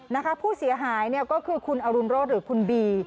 นะคะผู้เสียหายเนี่ยก็คือคุณอรุณโรธหรือคุณบี